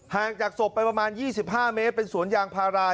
จากศพไปประมาณ๒๕เมตรเป็นสวนยางพารา